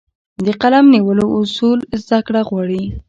د قلم نیولو اصول زده کړه غواړي.